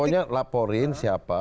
pokoknya laporin siapa